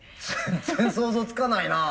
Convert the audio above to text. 全然想像つかないな。